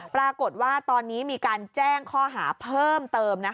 ปรากฏว่าตอนนี้มีการแจ้งข้อหาเพิ่มเติม